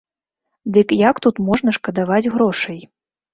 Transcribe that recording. Дык як тут можна шкадаваць грошай?